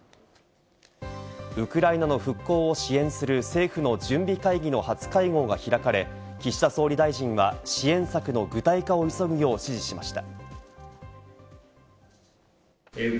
ウクライナの復興を支援する政府の準備会議の初会合が開かれ、岸田総理大臣は支援策の具体化を急ぐよう指示しました。